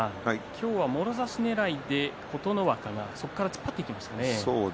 今日はもろ差しねらいで琴ノ若がそこから突っ張っていきましたね。